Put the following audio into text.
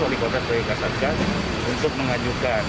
wali kota kota kasatgas untuk mengajukan